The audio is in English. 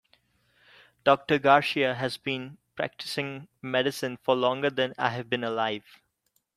Doctor Garcia has been practicing medicine for longer than I have been alive.